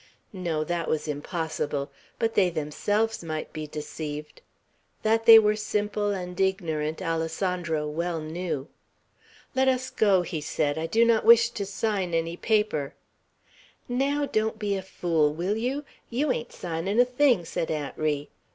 No; that was impossible. But they themselves might be deceived. That they were simple and ignorant, Alessandro well knew. "Let us go!" he said. "I do not wish to sign any paper." "Naow don't be a fool, will yeow? Yeow ain't signin' a thing!" said Aunt Ri.